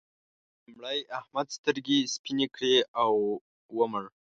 لومړی احمد سترګې سپينې کړې او ومړ.